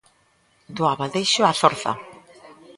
Do abadexo á zorza.